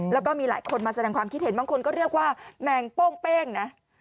แล้วก็มีหลายคนมาแสดงความคิดเห็นบางคนก็เรียกว่าแมงโป้งเป้งนะ